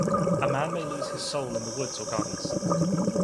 A man may lose his soul in the woods or gardens.